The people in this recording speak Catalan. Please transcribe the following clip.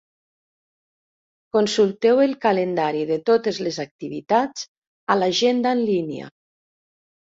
Consulteu el calendari de totes les activitats a l'agenda en línia.